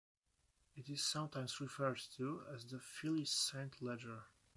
It is sometimes referred to as the Fillies' Saint Leger.